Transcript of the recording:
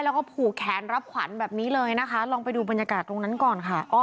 แล้วก็ผูกแขนรับขวัญแบบนี้เลยนะคะลองไปดูบรรยากาศตรงนั้นก่อนค่ะ